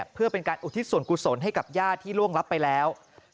เพื่อเป็นการอุทิศส่วนกุศลให้กับญาติที่ล่วงรับไปแล้ว